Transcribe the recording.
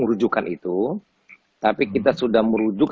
merujukan itu tapi kita sudah merujuk